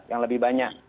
yang lebih banyak